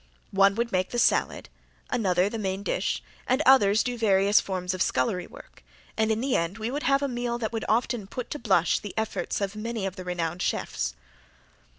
One would make the salad, another the main dish, and others do various forms of scullery work, and in the end we would have a meal that would often put to blush the efforts of many of the renowned chefs.